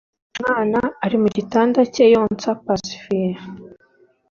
umwana ari mu gitanda cye, yonsa pacifier.